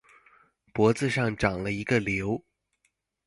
脖子上長了一個瘤